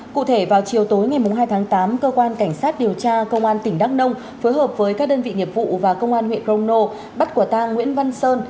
cụ thể vào chiều tối ngày hai tháng tám cơ quan cảnh sát điều tra công an tỉnh đắk nông phối hợp với các đơn vị nghiệp vụ và công an huyện crono bắt quả tang nguyễn văn sơn